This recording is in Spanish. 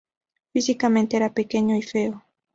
Físicamente era pequeño y feo.